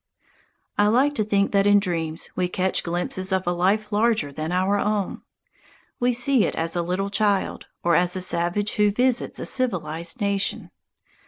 I like to think that in dreams we catch glimpses of a life larger than our own. We see it as a little child, or as a savage who visits a civilized nation.